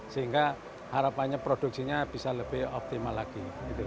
sehingga harapannya produksinya bisa lebih optimal lagi